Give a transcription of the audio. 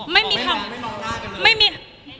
ไม่มองล่ากันเลย